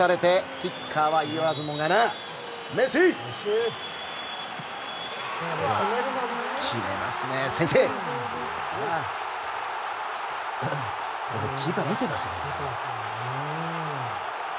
キーパー、見てましたね。